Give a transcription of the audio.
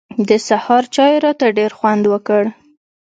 د سهار چای راته ډېر خوند وکړ.